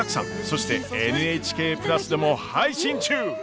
そして「ＮＨＫプラス」でも配信中！